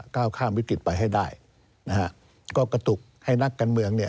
ก้าวข้ามวิกฤติไปให้ได้ก็กระตุกให้นักการเมือง